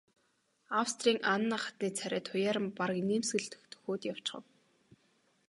Австрийн Анна хатны царай туяаран бараг инээмсэглэх дөхөөд явчихав.